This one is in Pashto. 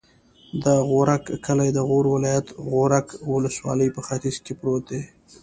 د غورک کلی د غور ولایت، غورک ولسوالي په ختیځ کې پروت دی.